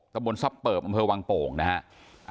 สมบลทรัพย์เปิบอำเภอวังโป่งนะฮะ